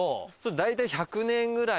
大体１００年ぐらい。